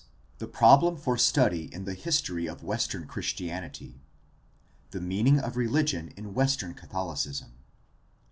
THE PROBLEM FOR STUDY IN THE HISTORY OF WESTERN CHRISTIANITY The meaning of religion in Western Catholicism.